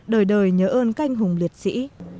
đời đời nhớ ơn canh hùng liệt sĩ